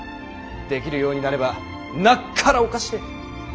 できるようになればなっからおかしれぇ。